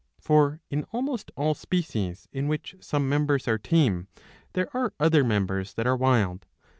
For in almost all species in which some members are tame, there are other members that are wild.